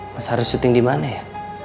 mas haris syuting dimana ya